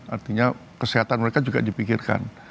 artinya kesehatan mereka juga dipikirkan